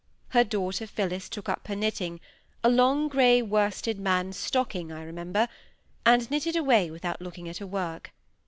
Her daughter Phillis took up her knitting—a long grey worsted man's stocking, I remember—and knitted away without looking at her work.